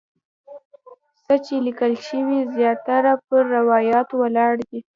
څه چې لیکل شوي زیاتره پر روایاتو ولاړ دي.